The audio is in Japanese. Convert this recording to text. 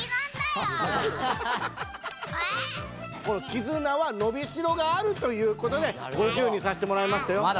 このキズナはのびしろがあるということで５０にさせてもらいましたよ！